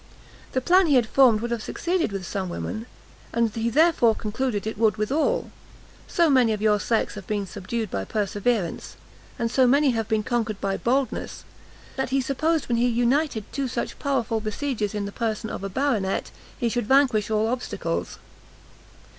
The plan he had formed would have succeeded with some women, and he therefore concluded it would with all. So many of your sex have been subdued by perseverance, and so many have been conquered by boldness, that he supposed when he united two such powerful besiegers in the person of a Baronet, he should vanquish all obstacles.